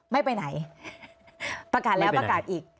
ไม่ไปไหนประกาศแล้วประกาศอีก